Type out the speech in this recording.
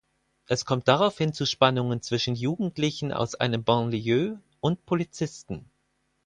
Es kommt daraufhin zu Spannungen zwischen Jugendlichen aus einem Banlieue und Polizisten.